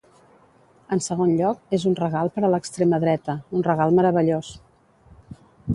En segon lloc, és un regal per a l’extrema dreta, un regal meravellós.